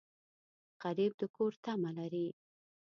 غریب د کور تمه لري